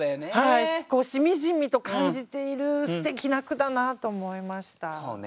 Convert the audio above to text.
しみじみと感じているステキな句だなと思いました。